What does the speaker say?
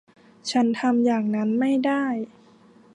ฉันทำอย่างนั้นไม่ได้